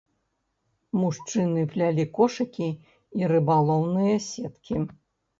Мужчыны плялі кошыкі і рыбалоўныя сеткі.